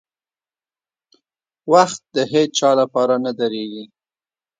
• وخت د هیڅ چا لپاره نه درېږي.